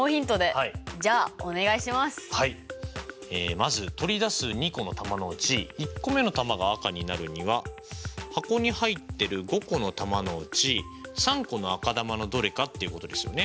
まず取り出す２個の球のうち１個目の球が赤になるには箱に入ってる５個の球のうち３個の赤球のどれかっていうことですよね。